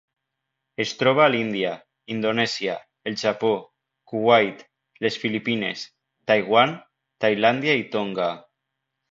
Es troba a l'Índia, Indonèsia, el Japó, Kuwait, les Filipines, Taiwan, Tailàndia i Tonga.